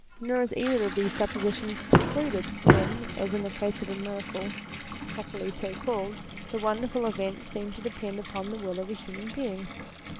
Nor is either of these suppositions precluded when, as in the case of a miracle properly so called, the wonderful event seemed to depend upon the will of a human being.